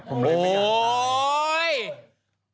ผมเลยไม่อยากตายโอ๊ย